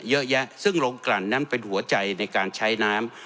เยอะแยะซึ่งโรงกลั่นนั้นเป็นหัวใจในการใช้น้ำ